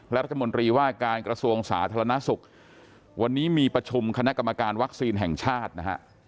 รัฐมนตรีว่าการกระทรวงสาธารณสุขวันนี้มีประชุมคณะกรรมการวัคซีนแห่งชาตินะฮะ